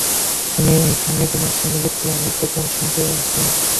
আমি এখানে তোমার ফ্যামিলি প্লানের প্রোগ্রাম শুনতে আসি নি!